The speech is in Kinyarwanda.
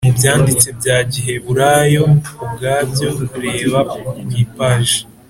mu Byanditswe bya Giheburayo ubwabyo Reba ku ipaji